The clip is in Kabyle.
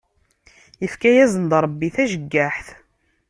Ifka yasen-d Ṛebbi tajeggaḥt.